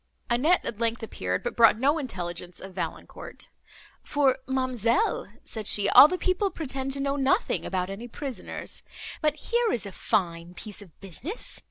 Annette at length appeared, but brought no intelligence of Valancourt, "For, ma'amselle," said she, "all the people pretend to know nothing about any prisoners. But here is a fine piece of business!